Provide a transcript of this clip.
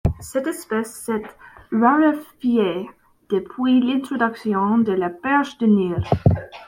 Cette espèce s'est raréfiée depuis l'introduction de la perche du Nil.